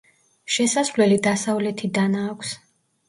შესასვლელი დასავლეთიდანა აქვს.